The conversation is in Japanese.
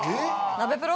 ナベプロ？